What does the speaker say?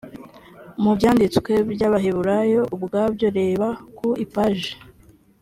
mu byanditswe bya giheburayo ubwabyo reba ku ipaji